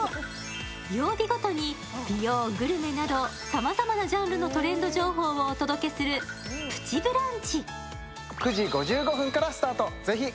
曜日ごとに美容、グルメなどさまざまなジャンルのトレンド情報をお届けする「プチブランチ」。